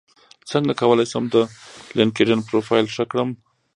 څنګه کولی شم د لینکیډن پروفایل ښه کړم